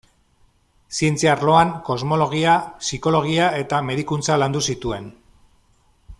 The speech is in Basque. Zientzia arloan, kosmologia, psikologia eta medikuntza landu zituen.